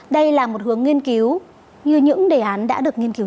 đây là một hướng nghiên cứu như những đề án đã được nghiên cứu